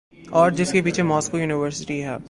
اورجس کے پیچھے Moscow university ہے۔